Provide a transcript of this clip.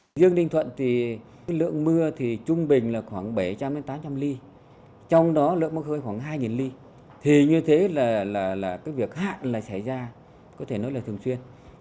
trong đó lượng mốc hơi khoảng hai ly thì như thế là việc hạn xảy ra có thể nói là thường xuyên